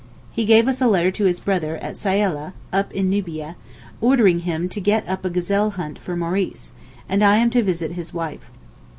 He gave us a letter to his brother at Syaleh, up in Nubia; ordering him to get up a gazelle hunt for Maurice, and I am to visit his wife.